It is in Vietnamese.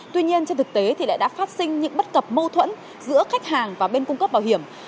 tuy nhiên trên thực tế lại đã phát sinh những bất cập mâu thuẫn giữa khách hàng và bên cung cấp bảo hiểm